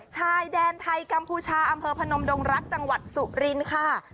ชายแดนไทยกัมพูชาอำเภอพนมดงรักจังหวัดสุรินค่ะ